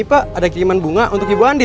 ini pak ada kiriman bunga untuk ibu andin